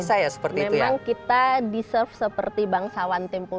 ruang sukarno dikatakan sebagai ruang utama